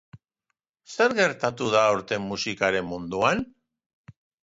Zer gertatu da aurten musikaren munduan?